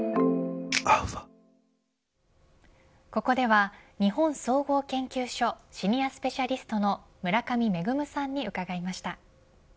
ここでは日本総合研究所シニアスペシャリストの村上芽さんに伺いました。